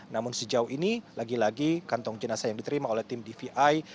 namun sejauh ini lagi lagi kantong jenazah yang diterima oleh tim dvi